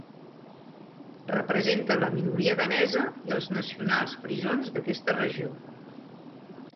Representa la minoria danesa i els nacionals frisons d'aquesta regió.